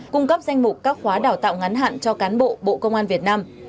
cung cấp danh mục các khóa đào tạo ngắn hạn cho cán bộ bộ công an việt nam